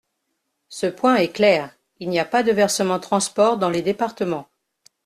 Ce point est clair, il n’y a pas de versement transport dans les départements.